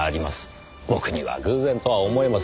僕には偶然とは思えません。